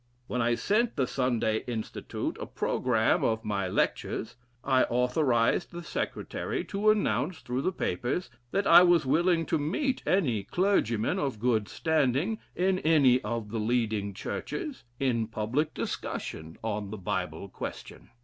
"When I sent the Sunday Institute a programme of my lectures, I authorised the Secretary to announce, through the papers, that I was willing to meet any clergyman, of good standing in any of the leading churches, in public discussion on the Bible question."